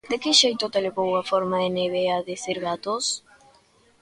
De que xeito te levou a forma de Neve á de Cervatos?